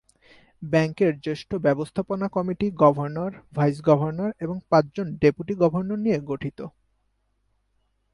ব্যাংকের জ্যেষ্ঠ ব্যবস্থাপনা কমিটি গভর্নর, ভাইস-গভর্নর এবং পাঁচজন ডেপুটি গভর্নর নিয়ে গঠিত।